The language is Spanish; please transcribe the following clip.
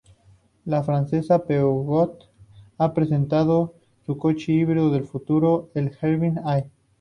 La francesa Peugeot ha presentado su coche híbrido del futuro, el Hybrid Air.